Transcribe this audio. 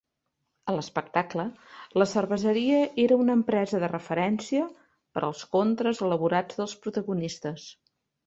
A l'espectacle, la cerveseria era una empresa de referència per als contres elaborats dels protagonistes.